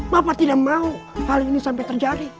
bapak tidak mau hal ini sampai terjadi